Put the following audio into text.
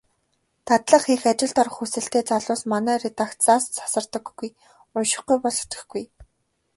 Дадлага хийх, ажилд орох хүсэлтэй залуус манай редакцаас тасардаггүй. УНШИХГҮЙ БОЛ СЭТГЭХГҮЙ.